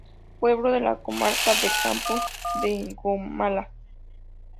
Pueblo de la Comarca de Campo de Gomara.